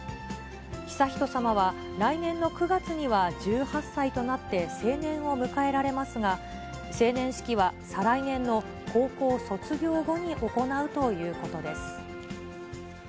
悠仁さまは、来年の９月には１８歳となって成年を迎えられますが、成年式は再来年の高校卒業後に行うということです。